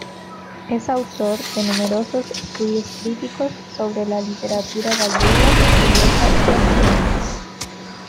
Es autor de numerosos estudios críticos sobre la literatura gallega, portuguesa y brasileña.